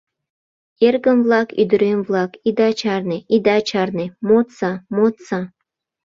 — Эргым-влак, ӱдырем-влак, ида чарне, ида чарне, модса, модса!